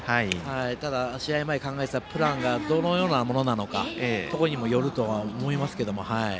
ただ、試合前考えていたプランがどのようなものなのかにもよると思いますが。